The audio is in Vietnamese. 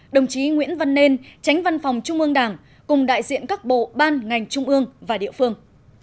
đồng chí nguyễn văn nên tránh văn phòng trung ương đảng cùng đại diện các bộ ban ngành trung ương và địa phương